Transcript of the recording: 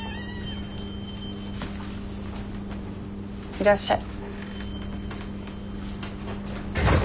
いらっしゃい。